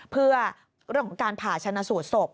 เพื่อเรื่องของการผ่าชนะสูตรศพ